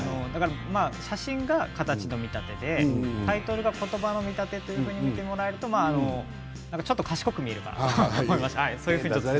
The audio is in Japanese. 写真が形の見立てでタイトルがことばの見立てと思ってもらえるとちょっと賢く見えるかなって思いました。